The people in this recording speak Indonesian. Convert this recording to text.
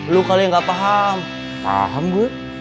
lu kali yang gak paham paham gue